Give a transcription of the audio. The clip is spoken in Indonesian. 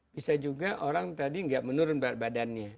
bisa juga orang tadi nggak menurun berat badannya